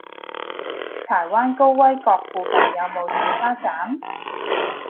柴灣高威閣附近有無小巴站？